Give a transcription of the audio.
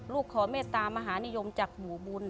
ขอเมตตามหานิยมจากหมู่บุญ